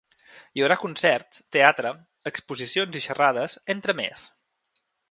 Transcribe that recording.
Hi haurà concerts, teatre, exposicions i xerrades, entre més.